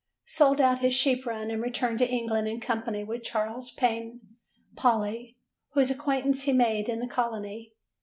Sold out his sheep run and returned to England in company with Charles Paine Pauli, whose acquaintance he had made in the colony.